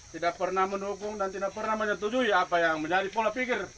tidak pernah mendukung dan tidak pernah menyetujui apa yang menjadi pola pikir